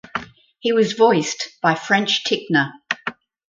He was voiced by French Tickner.